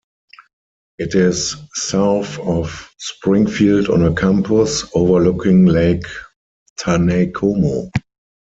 It is south of Springfield on a campus, overlooking Lake Taneycomo.